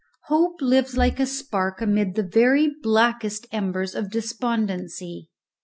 Hope lives like a spark amid the very blackest embers of despondency.